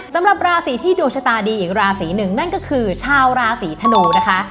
สำหรับราศีที่ดวงชะตาดีอีกราศีหนึ่งนั่นก็คือชาวราศีธนูนะคะ